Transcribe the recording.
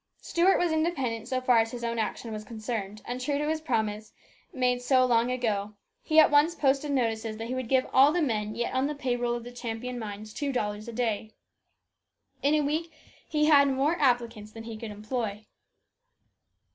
Stuart was independent so far as his own action was concerned, and, true to his promise, made so long AN ORATOR. 277 ago, he at once posted notices that he would give all the men yet on the pay roll of the Champion mines two dollars a day. In a week he had more applicants than he could employ.